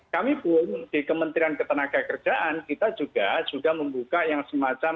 kami pun di kementerian ketenagakerjaan kita juga juga membuka yang semacam